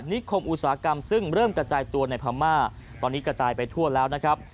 นิคมอุตสาหกรรมซึ่งเริ่มกระจายตัวในพม่าตอนนี้กระจายไปทั่วแล้วนะครับ